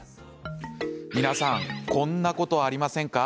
皆さんこんなこと、ありませんか？